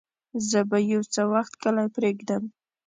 زه به يو څه وخت کلی پرېږدم.